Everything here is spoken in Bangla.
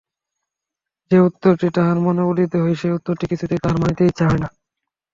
যে উত্তরটি তাহার মনে উদিত হয় সে উত্তরটি কিছুতেই তাহার মানিতে ইচ্ছা হয় না।